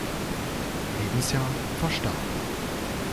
Lebensjahr verstarb.